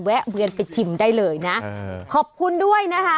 แวนไปชิมได้เลยนะขอบคุณด้วยนะคะ